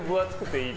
いい！